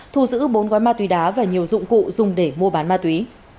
thu giữ bốn gói ma túy đá và nhiều dụng cụ dùng để mua bán ma túy